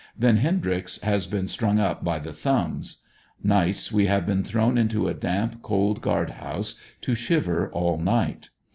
Then Hendryx has been strung up by the thumbs. Nights we have been thrown into a damp, cold guard house to shiver all night.